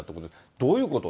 どういうことを？